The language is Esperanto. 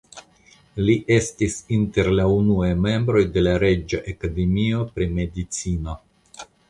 Li estis inter la unuaj membroj de la reĝa akademio pri medicino.